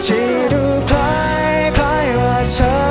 ที่ดูคล้ายคล้ายว่าเธอนั้นรัก